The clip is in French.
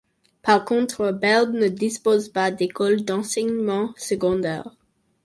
Par contre, Ber ne dispose pas d'écoles d'enseignement secondaire.